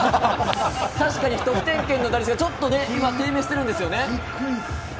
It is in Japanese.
確かに得点圏の打率がちょっとね低迷しているんですよね。